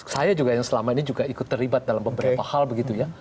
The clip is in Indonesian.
saya juga yang selama ini juga ikut terlibat dalam beberapa hal begitu ya